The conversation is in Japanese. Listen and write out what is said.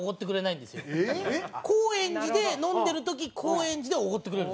高円寺で飲んでる時高円寺でおごってくれるんですよ。